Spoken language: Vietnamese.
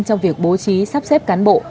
trong việc bố trí sắp xếp cán bộ